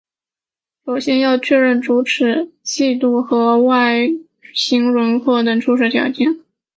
首先要确定主尺度系数和外形轮廓等初始条件。